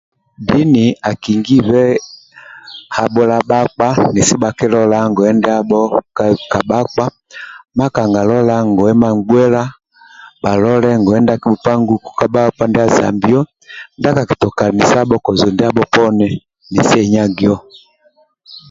Dini akingibe habhula bhakpa nesi bhakilola ngoye ndia ka ka bhakpa makanga lola ngoye mangbuela bhalole ngoye ndia azambio ndia kakitoka anisa kozo ndiabho nesi aenyafio poni